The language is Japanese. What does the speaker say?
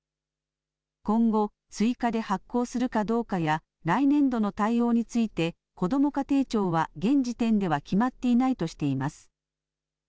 今後、追加で発行するかどうかや来年度の対応についてこども家庭庁は現時点では決まっていないとしています。